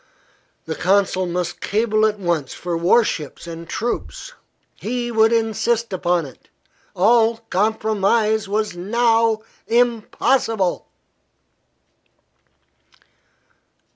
The consul must cable at once for war ships and troops. He would insist upon it. All compromise was now impossible!